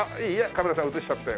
カメラさん映しちゃって。